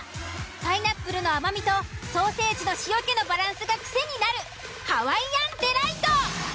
パイナップルの甘みとソーセージの塩気のバランスが癖になるハワイアンデライト。